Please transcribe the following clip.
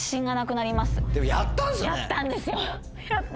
やったんですよ。